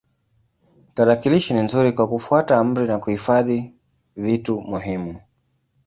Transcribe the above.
Tarakilishi ni nzuri kwa kufuata amri na kuhifadhi vitu muhimu.